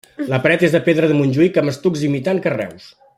La paret és de pedra de Montjuïc amb estucs imitant carreus.